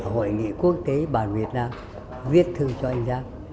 hội nghị quốc tế bà việt nam viết thư cho anh giáp